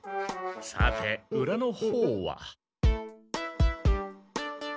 さて裏のほうは。